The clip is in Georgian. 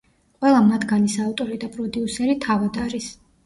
ყველა მათგანის ავტორი და პროდიუსერი თავად არის.